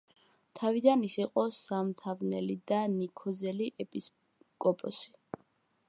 თავიდან ის იყო სამთავნელი და ნიქოზელი ეპისკოპოსი.